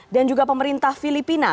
dan juga pemerintah filipina